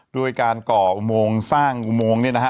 ด้วยการก่ออุโมงสร้างอุโมงเนี่ยนะฮะ